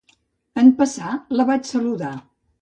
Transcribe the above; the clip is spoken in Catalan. En passar la vaig saludar.